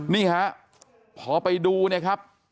นี่ฮะพอไปดูเนี่ยครับ